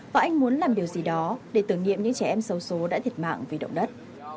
và anh muốn làm điều gì đó để tưởng niệm những trẻ em sâu số đã thiệt mạng vì động đất